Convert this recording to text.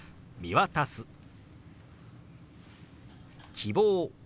「希望」。